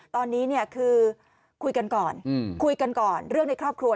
ตอนนี้คือคุยกันก่อนเรื่องในครอบครัว